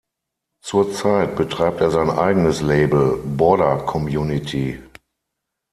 Zurzeit betreibt er sein eigenes Label "Border Community".